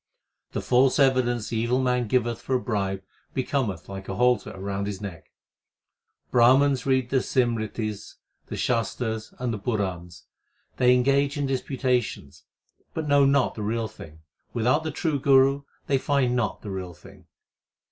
The false evidence the evil man giveth for a bribe becometh like a halter round his neck. Brahmans read the Simritis, the Shastars, and the Purans: They engage in disputations, but know not the Real Thing : Without the true Guru they find not the Real Thing.